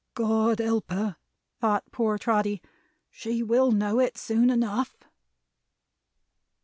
"God help her," thought poor Trotty. "She will know it soon enough."